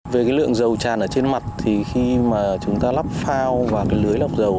về lượng dầu tràn trên mặt khi chúng ta lắp phao vào lưới lọc dầu